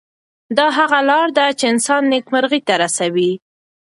دا هغه لار ده چې انسان نیکمرغۍ ته رسوي.